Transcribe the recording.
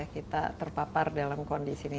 kita terpapar dalam kondisi ini